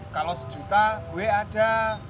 kalau sejuta gue ada